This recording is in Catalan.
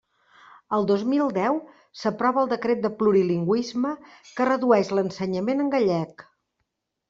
El dos mil deu s'aprova el Decret de plurilingüisme, que redueix l'ensenyament en gallec.